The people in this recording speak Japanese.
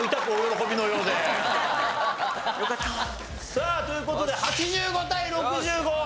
さあという事で８５対６５。